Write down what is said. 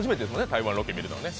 台湾ロケ見るのね。